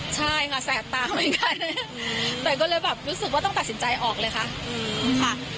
ใช่ค่ะแต่ก็เลยแบบรู้สึกว่าต้องตัดสินใจออกเลยค่ะอืมค่ะ